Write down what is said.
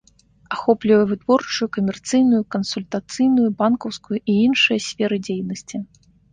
Ахоплівае вытворчую, камерцыйную, кансультацыйную, банкаўскую і іншыя сферы дзейнасці.